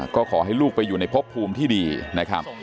ก็ขอให้ลูกไปอยู่ในพบภูมิที่ดีนะครับ